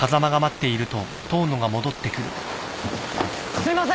すいません